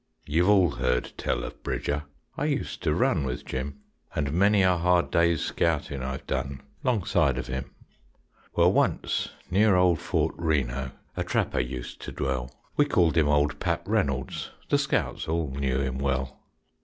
You've all heard tell of Bridger; I used to run with Jim, And many a hard day's scouting I've done longside of him. Well, once near old Fort Reno, A trapper used to dwell; We called him old Pap Reynolds, The scouts all knew him well.